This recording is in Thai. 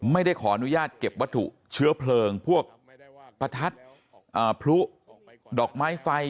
ไม่ได้ขออนุญาตเก็บวัตถุเชื้อเพลิงพวกประทัดพลุดอกไม้ไฟ